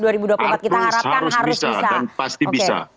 harapkan harus bisa harus bisa dan pasti bisa